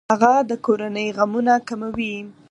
هغه د کورنۍ غمونه کموي.